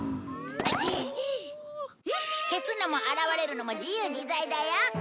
消すのも現れるのも自由自在だよ。